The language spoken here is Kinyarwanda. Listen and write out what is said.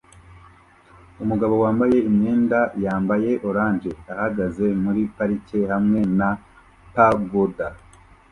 Umugabo wambaye imyenda yambaye orange ahagaze muri parike hamwe na pagoda